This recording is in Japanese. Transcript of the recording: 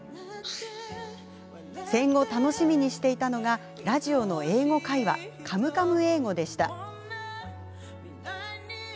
戦後、楽しみにしていたのがラジオの「英語会話」「カムカム英語」でした。